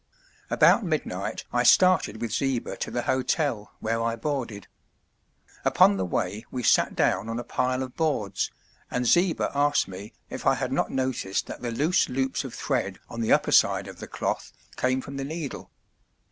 "About midnight I started with Zieber to the hotel, where I boarded. Upon the way we sat down on a pile of boards, and Zieber asked me if I had not noticed that the loose loops of thread on the upper side of the cloth came from the needle?